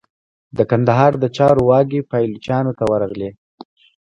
د کندهار د چارو واګي پایلوچانو ته ورغلې.